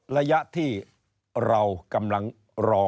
ระยะที่เรากำลังรอ